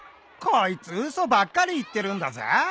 こいつ嘘ばっかり言ってるんだぜ。